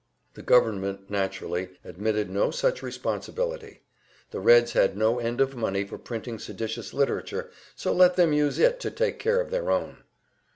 The government, naturally, admitted no such responsibility. The Reds had no end of money for printing seditious literature, so let them use it to take care of their own!